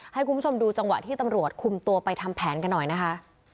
ให้คุณผู้ชมดูจังหวะที่ตำรวจคุมตัวไปทำแผนกันหน่อยนะคะ